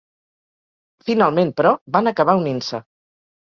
Finalment però, van acabar unint-se.